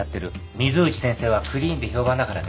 水内先生はクリーンで評判だからね。